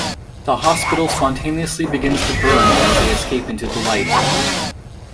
The hospital spontaneously begins to burn as they escape into the light.